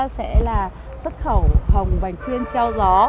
sẽ là xuất khẩu hồng bành khuyên treo gió